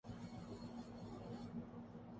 یہ کہاں بنایا گیا ہے؟